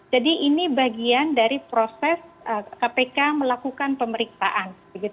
jadi ini bagian dari proses kpk melakukan pemeriksaan